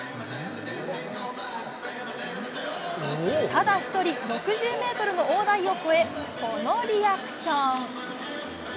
ただ一人、６０メートルの大台を超え、このリアクション。